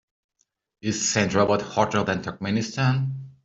is Saint Robert hotter than Turkmenistan